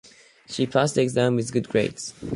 She passed the exam with good grades.